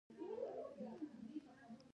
هغه هم د ماشیندارو تر سختو ډزو لاندې و.